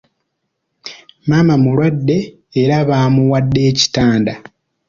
Maama mulwadde era baamuwadde ekitanda.